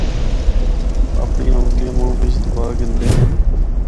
اپنڑیاں انگلیاں منہ بچ دبا گِھندے ہن۔